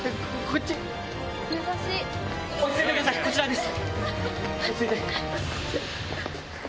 こちらです。